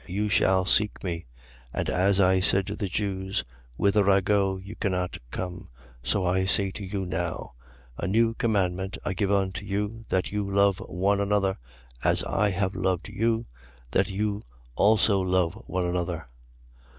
You shall seek me. And as I said to the Jews: Whither I go you cannot come; so I say to you now. 13:34. A new commandment I give unto you: That you love one another, as I have loved you, that you also love one another.